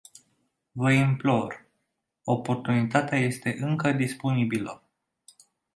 Vă implor, oportunitatea este încă disponibilă.